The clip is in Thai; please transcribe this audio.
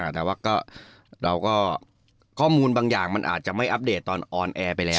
แต่ว่าเราก็ข้อมูลบางอย่างมันอาจจะไม่อัปเดตตอนออนแอร์ไปแล้ว